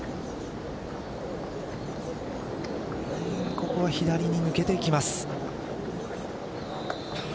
ここは左に抜けていきます。